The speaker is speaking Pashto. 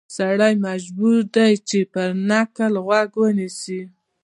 سړی مجبور دی چې پر نکل غوږ ونیسي.